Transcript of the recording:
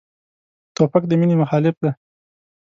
توپک د مینې مخالف دی.